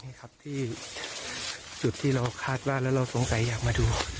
ใช่ครับที่จุดที่เราคาดว่าแล้วเราสงสัยอยากมาดู